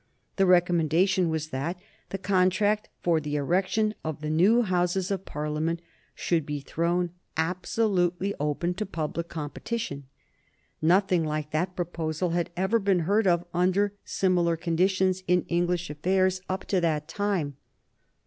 The recommendation was that the contract for the erection of the new Houses of Parliament should be thrown absolutely open to public competition. Nothing like that proposal had ever been heard of under similar conditions in English affairs up to that time.